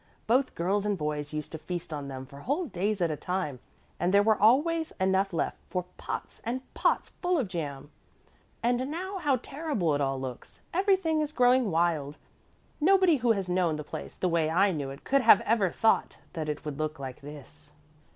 Both girls and boys used to feast on them for whole days at a time, and there were always enough left for pots and pots full of jam. And now how terrible it all looks! Everything is growing wild. Nobody who has known the place the way I knew it could have ever thought that it would look like this."